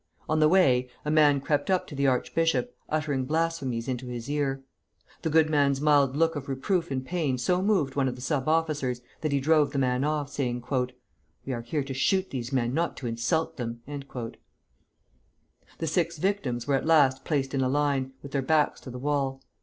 On the way, a man crept up to the archbishop, uttering blasphemies into his ear. The good man's mild look of reproof and pain so moved one of the sub officers that he drove the man off, saying: "We are here to shoot these men, not to insult them." The six victims were at last placed in a line, with their backs to the wall.